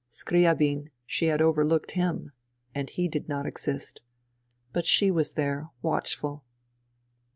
Scriabin — she had overlooked him. And he did not exist. But she was there, watch ful.